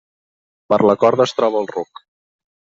Per la corda es troba el ruc.